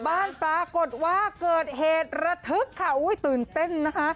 ปรากฏว่าเกิดเหตุระทึกค่ะอุ้ยตื่นเต้นนะคะ